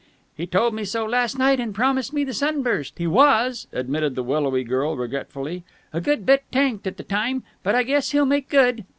"He told me so last night and promised me the sunburst. He was," admitted the willowy girl regretfully, "a good bit tanked at the time, but I guess he'll make good."